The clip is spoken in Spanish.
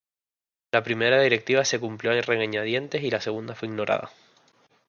La primera directiva se cumplió a regañadientes y la segunda fue ignorada.